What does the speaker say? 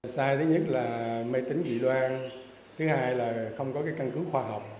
sai thứ nhất là mê tính dị loan thứ hai là không có căn cứ khoa học